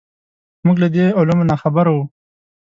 موږ له دې علومو ناخبره وو.